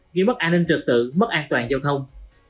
gây mất an ninh trực tự mất an toàn giao thông